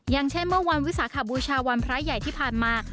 อย่างเช่นเมื่อวันวิสาขบูชาวันพระใหญ่ที่ผ่านมา